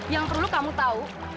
yang perlu kamu tahu